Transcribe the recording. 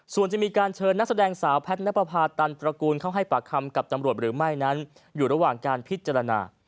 ส่วนจะมีการเชิญนักแสดงสาวแพทย์นับประพาตันตระกูลเข้าให้ปากคำกับตำรวจหรือไม่นั้นอยู่ระหว่างการพิจารณา